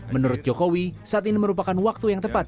menurut jokowi saat ini merupakan waktu yang tepat